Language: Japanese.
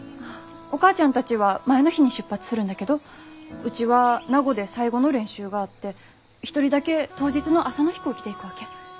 お母ちゃんたちは前の日に出発するんだけどうちは名護で最後の練習があって１人だけ当日の朝の飛行機で行くわけ。